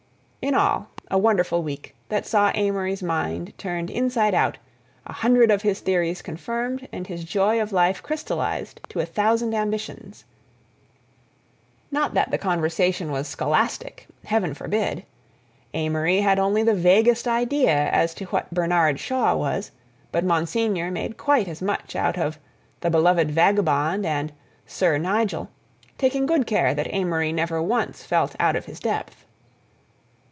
... In all, a wonderful week, that saw Amory's mind turned inside out, a hundred of his theories confirmed, and his joy of life crystallized to a thousand ambitions. Not that the conversation was scholastic—heaven forbid! Amory had only the vaguest idea as to what Bernard Shaw was—but Monsignor made quite as much out of "The Beloved Vagabond" and "Sir Nigel," taking good care that Amory never once felt out of his depth.